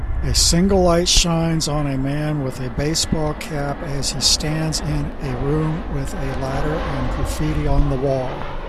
A single light shines on a man with a baseball cap as he stands in a room with a ladder and graffiti on the wall